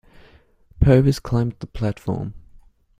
Purvis climbed the platform.